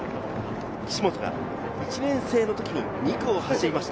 岸本が１年生の時に２区を走りました。